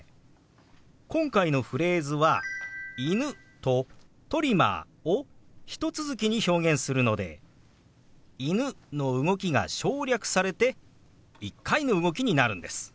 今回のフレーズは「犬」と「トリマー」をひと続きに表現するので「犬」の動きが省略されて１回の動きになるんです。